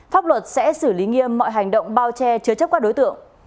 pháp luật sẽ xử lý nghiêm mọi hành động bao che chứa chấp các đối tượng